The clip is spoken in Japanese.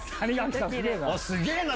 すげぇな！